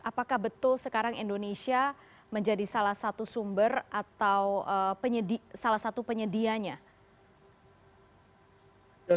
apakah betul sekarang indonesia menjadi salah satu sumber atau salah satu penyedianya